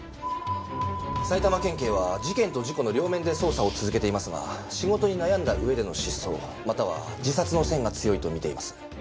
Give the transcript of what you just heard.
埼玉県警は事件と事故の両面で捜査を続けていますが仕事に悩んだ上での失踪または自殺の線が強いと見ています。